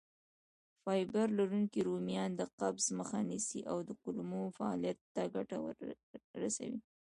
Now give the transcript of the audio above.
فایبر لرونکي رومیان د قبض مخه نیسي او د کولمو فعالیت ته ګټه رسوي.